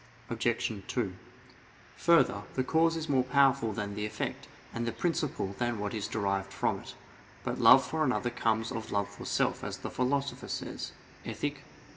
Obj. 2: Further, the cause is more powerful than the effect; and the principle than what is derived from it. But love for another comes of love for self, as the Philosopher says (Ethic.